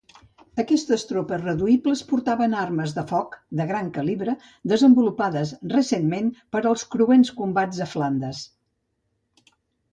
Aquestes tropes reduïbles portaven armes de foc de gran calibre desenvolupades recentment per als cruents combats a Flandes.